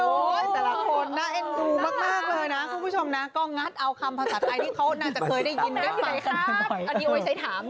โอ้ยแต่ละคนน่าเอ็นดูมากเลยนะคุณผู้ชมนะก็งัดเอาคำภาษาไทยที่เขาน่าจะเคยได้ยินได้ฝาก